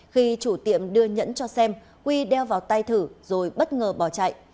khi chủ tiệm đưa nhẫn cho xem quy đeo vào tay thử rồi bất ngờ bỏ chạy